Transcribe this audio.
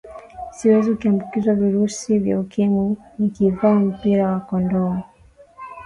siwezi kuambukizwa virusi vya ukimwi nikivaa mpira wa kondomu